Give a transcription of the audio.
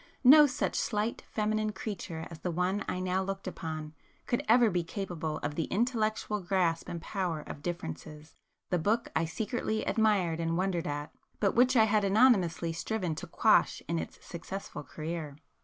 No such slight feminine creature as the one I now looked upon could ever be capable of the intellectual grasp and power of 'Differences,' the book I secretly admired and wondered at, but which I had anonymously striven to 'quash' in its successful career.